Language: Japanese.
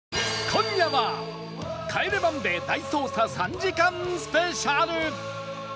今夜は『帰れマンデー』大捜査３時間スペシャル